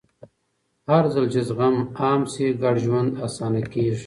هرځل چې زغم عام شي، ګډ ژوند اسانه کېږي.